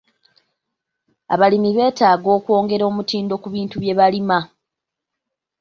Abalimi beetaaga okwongera omutindo ku bintu bye balima.